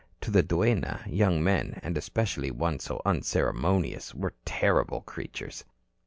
To the duenna, young men, and especially one so unceremonious, were terrible creatures.